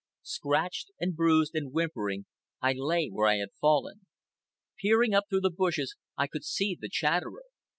Scratched and bruised and whimpering, I lay where I had fallen. Peering up through the bushes, I could see the Chatterer.